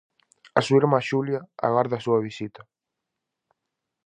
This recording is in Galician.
A súa irmá Xulia agarda a súa visita.